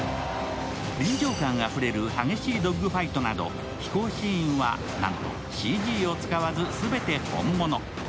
臨場感あふれる激しいドッグファイトなど飛行シーンは、なんとＣＧを使わず全て本物。